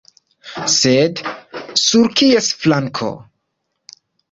Sed sur kies flanko?